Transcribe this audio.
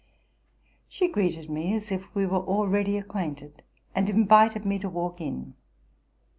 She greeted me as if we were already acquainted, and invited me to walk in.